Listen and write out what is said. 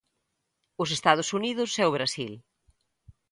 Os Estados Unidos e o Brasil.